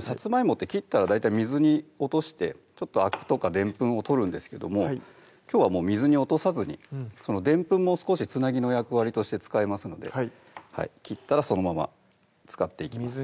さつまいもって切ったら大体水に落としてあくとかでんぷんを取るんですけどもきょうはもう水に落とさずにでんぷんも少しつなぎの役割として使いますので切ったらそのまま使っていきます